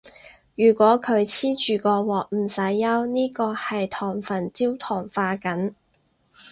如果佢黐住個鑊，唔使憂，呢個係糖分焦糖化緊